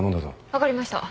分かりました。